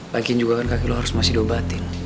lagi juga kan kaki lo harus masih diobatin